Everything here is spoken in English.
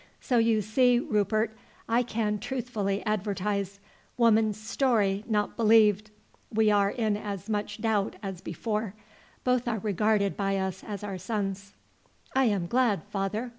So you see, Rupert, I can truthfully advertise 'Woman's story not believed; we are in as much doubt as before; both are regarded by us as our sons.'" "I am glad, father!"